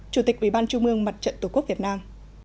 chủ tịch ủy ban trung mương mặt trận tổ quốc việt nam